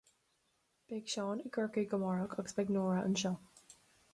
beidh Seán i gCorcaigh amárach, agus beidh Nóra anseo